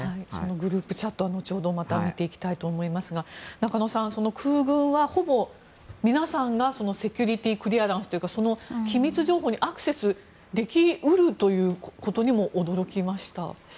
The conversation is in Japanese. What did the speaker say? グループチャットは後ほど見ていきたいと思いますが中野さん、空軍はほぼ皆さんがセキュリティークリアランスというか機密情報にアクセスでき得るということにも驚きました。